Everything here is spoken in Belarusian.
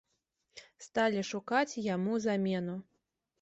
Сталі шукаць яму замену.